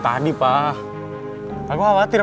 tapi kok aku liat liat